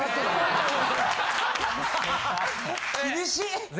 ・厳しい！